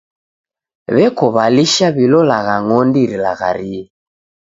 W'eko w'alisha w'ilolagha ng'ondi rilagharie.